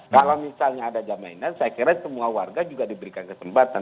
kalau misalnya ada jaminan saya kira semua warga juga diberikan kesempatan